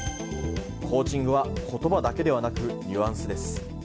コーチングは言葉だけではなくニュアンスです。